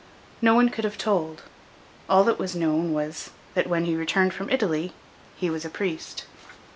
No one could have told: all that was known was, that when he returned from Italy he was a priest.